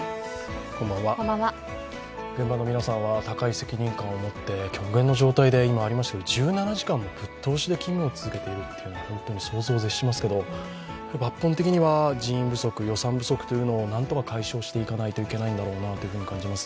現場の皆さんは高い責任感を持って極限の状態で、今ありましたけれど１７時間もぶっ通しで勤務を続けているというのは本当に想像を絶しますけど、抜本的には人員不足、予算不足というのを、なんとか解消していかなければいけないんだなと感じます。